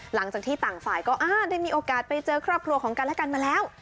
หลังจากที่ต่างฝ่ายก็อ่าได้มีโอกาสไปเจอครอบครัวของกันและกันมาแล้ว